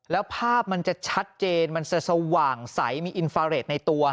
แล้วภาพมันจะชัดเจนมันจะสว่างใสมีอินฟาเรทในตัว